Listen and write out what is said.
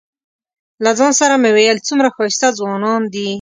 له ځان سره مې ویل څومره ښایسته ځوانان دي.